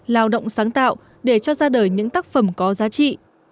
lao động sáng tạo để cho ra đời những tác phẩm có giá trị